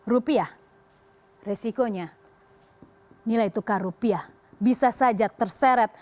rupiah resikonya nilai tukar rupiah bisa saja terseret